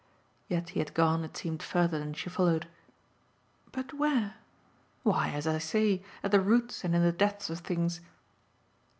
Yet he had gone, it seemed, further than she followed. "But where?" "Why, as I say, at the roots and in the depths of things."